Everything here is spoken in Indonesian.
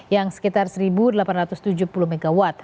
yang sekitar satu mw